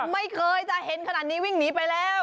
ไม่เคยจะเห็นขนาดนี้วิ่งหนีไปแล้ว